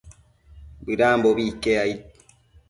Bëdambobi iquec aid